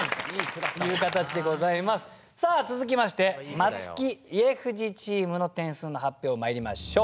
さあ続きましてまつき・家藤チームの点数の発表まいりましょう。